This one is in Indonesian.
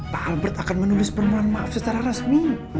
pak albert akan menulis permohon maaf secara resmi